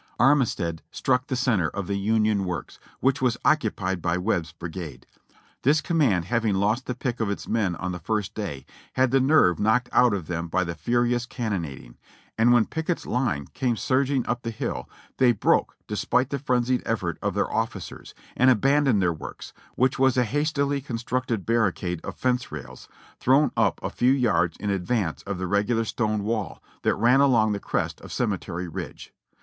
Armistead struck the center of the Union works, which was occupied by Webb's brigade. This command having lost the pick of its men on the first day, had the nerve knocked out of them by the furious cannonading, and when Pickett's line came surging up the hill they broke despite the frenzied efforts of their officers, and abandoned their w'orks, w'hich was a hastily con structed barricade of fence rails, thrown up a few yards in ad vance of the regular stone wall that ran along the crest of Ceme tery Ridge.